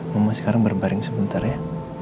mama sekarang berbaring sebentar ya